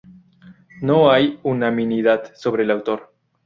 No hay unanimidad sobre el autor.